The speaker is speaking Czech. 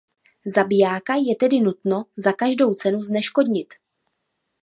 Zabijáka je tedy nutno za každou cenu zneškodnit.